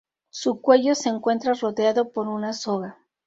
Su cuello se encuentra rodeado por una soga.